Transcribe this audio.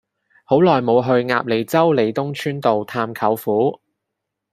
好耐無去鴨脷洲利東邨道探舅父